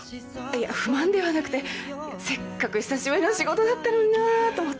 いや不満ではなくてせっかく久しぶりの仕事だったのになと思って。